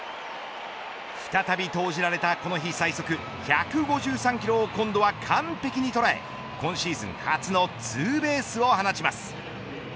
再び投じられた、この日最速１５３キロを今度は完璧に捉え今シーズン初のツーベースを放ちます。